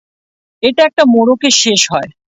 এটা একটা মোড়কে শেষ হয়।